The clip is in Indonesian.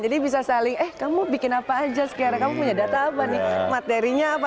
jadi bisa saling eh kamu bikin apa aja sekarang kamu punya data apa nih materinya apa